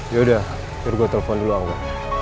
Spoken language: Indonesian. ya udah gue telepon dulu angga